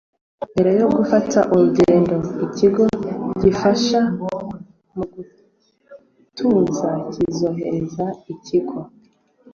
mbere yo gufata urugendo ikigo gifasha mu gutuza kizoherereza ikigo